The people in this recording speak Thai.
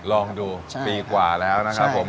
ลองดูปีกว่าแล้วนะครับผม